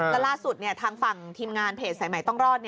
แล้วล่าสุดทางฝั่งทีมงานเพจสายใหม่ต้องรอด